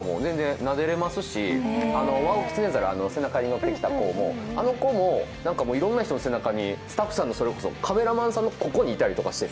本当にみんな人なつっこくて、カピバラなんかも。ワオキツネザル、背中に乗ってきた子も、あの子もいろんな人の背中に、スタッフさん、それこそカメラマンさんの肩にいたりとか。